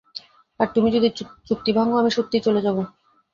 আর তুমি যদি চুক্তি ভাঙ্গো, আমি সত্যিই চলে যাব।